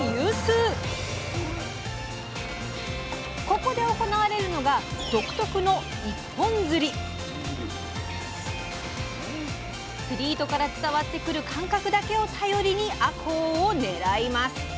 ここで行われるのが独特の釣り糸から伝わってくる感覚だけを頼りにあこうを狙います。